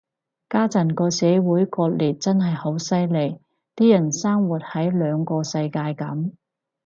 家陣個社會割裂真係好犀利，啲人生活喺兩個世界噉